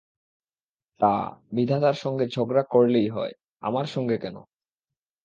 তা, বিধাতার সঙ্গে ঝগড়া করলেই হয়, আমার সঙ্গে কেন?